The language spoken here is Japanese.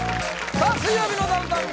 さあ「水曜日のダウンタウン」